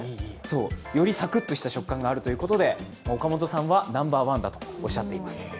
よりサクッとした食感があるということで、岡本さんはナンバーワンだとおっしゃっています。